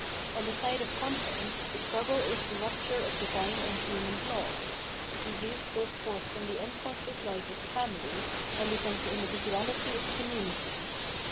On the side of content, the struggle is the rupture of divine and human law. The youth goes forth from the unconscious life of the family and becomes the in dividuahty of the community [i.